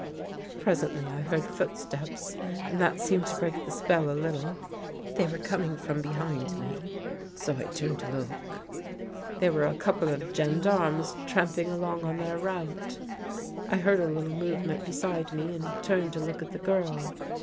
" Presently I heard footsteps and that seemed to break the spell a little. They were coming from behind me, so I turned to look. They were a couple of gendarmes tramping along on their route. I heard a little movement beside me and turned to look at the girl.